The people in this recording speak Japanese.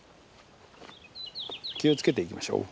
気を付けて行きましょう。